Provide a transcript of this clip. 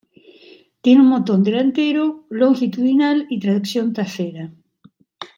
Tiene un motor delantero longitudinal y tracción trasera.